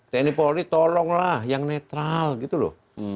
tni polri tolonglah yang netral gitu loh